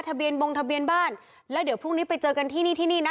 เบียนบงทะเบียนบ้านแล้วเดี๋ยวพรุ่งนี้ไปเจอกันที่นี่ที่นี่นะ